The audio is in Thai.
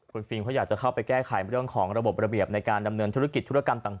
คุณฟิล์มเขาอยากจะเข้าไปแก้ไขเรื่องของระบบระเบียบในการดำเนินธุรกิจธุรกรรมต่าง